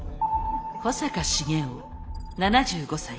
保坂重雄７５才。